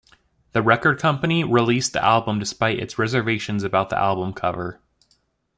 The record company released the album despite its reservations about the album cover.